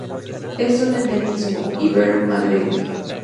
Es un endemismo ibero-magrebí.